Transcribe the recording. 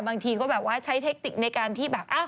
บางทีก็แบบว่าใช้เทคติกในการที่แบบ